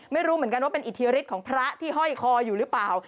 ไม่รู้เหมือนกันว่าเป็นอิทธิฤทธิ์ของพระที่ห้อยคออยู่หรือเปล่า